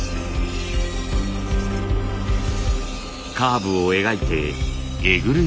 カーブを描いてえぐるように。